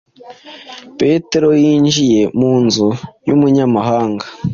Petero yinjiye mu nzu y’umunyamahanga,